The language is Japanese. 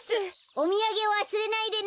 おみやげわすれないでね！